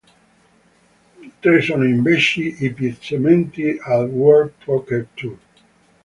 Tre sono invece i piazzamenti al World Poker Tour.